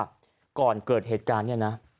อย่างเก่าหมายฉะนั้นก่อนเกิดเหตุการณ์นี้นะ